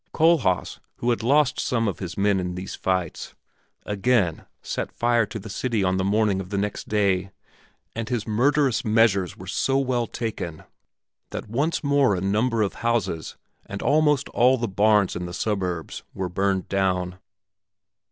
Kohlhaas, who had lost some of his men in these fights, again set fire to the city on the morning of the next day, and his murderous measures were so well taken that once more a number of houses and almost all the barns in the suburbs were burned down.